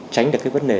tránh được cái vấn đề